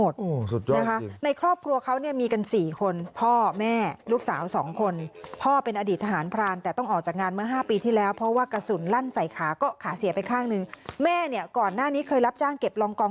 เด็กคนนี้ทำหมดนะคะในครอบครัวเขาเนี่ยมีกัน๔คน